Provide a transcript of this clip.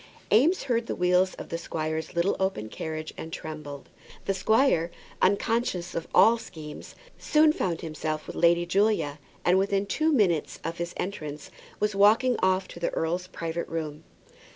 Eames heard the wheels of the squire's little open carriage and trembled. The squire, unconscious of all schemes, soon found himself with Lady Julia, and within two minutes of his entrance was walked off to the earl's private room.